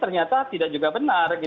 ternyata tidak juga benar